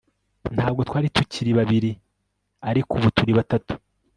ntabwo twari tukiri babiri, ariko ubu turi batatu